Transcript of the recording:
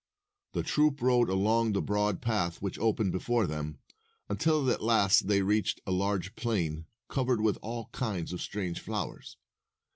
The troop rode along the broad path which opened before them, until at last they reached a large plain covered with all kinds of strange flowers.